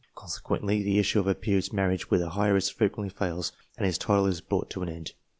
Consequently, the issue of a peer's marriage with an heiress frequently fails, and his title is brought to an end.